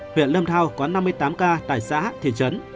huyện lâm thao có năm mươi tám ca tại xã thị trấn